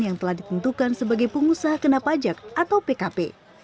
yang telah ditentukan sebagai pengusaha kena pajak atau pkp